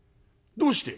「どうして？」。